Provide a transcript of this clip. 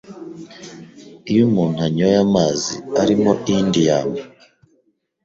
iyo umuntu anyoye amazi arimo indium